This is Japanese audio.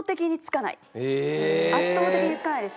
圧倒的につかないです。